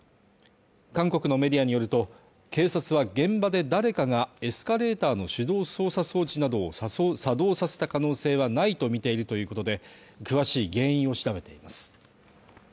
韓国のメディアによると、警察は現場で誰かがエスカレーターの手動操作装置などを作動させた可能性はないとみているということで、詳しい原因を調べています。